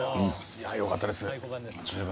よかったです。